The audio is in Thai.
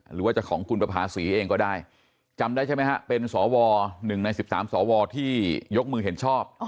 หรือว่าจะของคุณประภาษีเองก็ได้จำได้ใช่ไหมฮะเป็นสว๑ใน๑๓สวที่ยกมือเห็นชอบ